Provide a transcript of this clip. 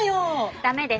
ダメです。